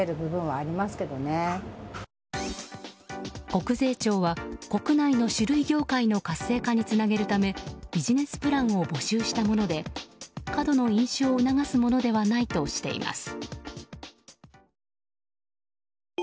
国税庁は、国内の酒類業界の活性化につなげるためビジネスプランを募集したもので過度の飲酒を促すものではないとしています。